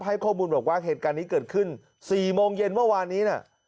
ให้ข้อมูลบอกว่าเหตุการณ์นี้เกิดขึ้น๔โมงเย็นเมื่อวานนี้นะ